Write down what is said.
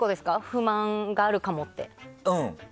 不満があるかもって。